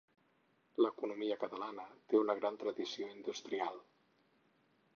L'economia catalana té una gran tradició industrial.